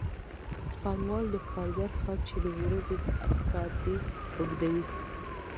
پانګوال د کارګر کار چې د ورځې اته ساعته دی اوږدوي